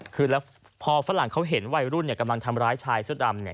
คือแล้วพอฝรั่งเขาเห็นไว้รุ่นกำลังทำร้ายชายชุดดำ